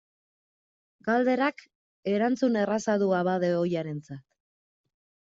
Galderak erantzun erraza du abade ohiarentzat.